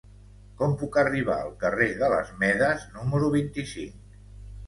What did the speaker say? Com puc arribar al carrer de les Medes número vint-i-cinc?